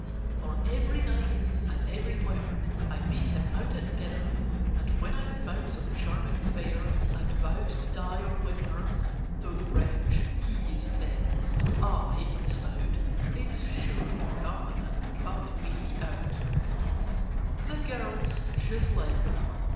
For every night, and everywhere, I meet him out at dinner; And when I've found some charming fair, And vowed to die or win her, The wretch (he's thin and I am stout) Is sure to come and cut me out! [Picture: He's thin and I am stout] The girls (just like them!)